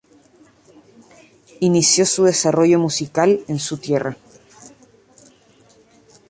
Inició su desarrollo musical en su tierra.